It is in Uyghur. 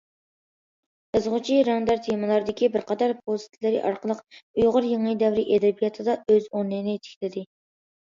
يازغۇچى رەڭدار تېمىلاردىكى بىر قاتار پوۋېستلىرى ئارقىلىق ئۇيغۇر يېڭى دەۋر ئەدەبىياتىدا ئۆز ئورنىنى تىكلىدى.